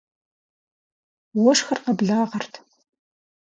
Уэшхыр къэблагъэрт.